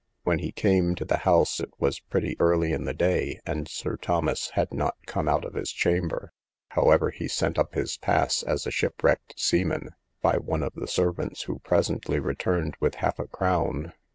When he came to the house, it was pretty early in the day, and Sir Thomas had not come out of his chamber; however, he sent up his pass, as a shipwrecked seaman, by one of the servants, who presently returned with half a crown.